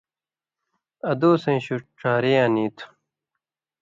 ادوسَیں شُو ڇھاریاں نی تھُو۔